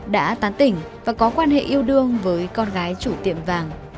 đã tán tỉnh và có quan hệ yêu đương với con gái chủ tiệm vàng